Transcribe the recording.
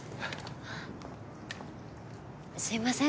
すいません